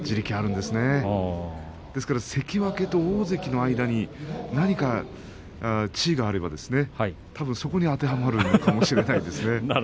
ですから関脇と大関の間に何か地位があればたぶんそこに当てはまるかもしれません。